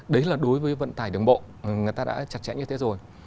đấy là đối với vận tải đường bộ người ta đã chặt chẽ như thế rồi